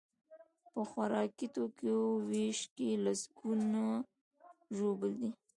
په خوراکي توکیو ویش کې لسکونه ژوبل دي.